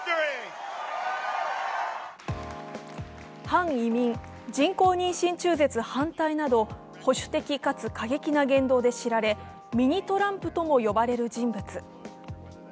反移民、人工妊娠中絶反対など保守的かつ過激な言動で知られミニトランプとも呼ばれる人物。